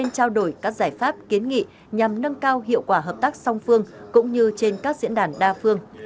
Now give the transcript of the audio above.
trao đổi các giải pháp kiến nghị nhằm nâng cao hiệu quả hợp tác song phương cũng như trên các diễn đàn đa phương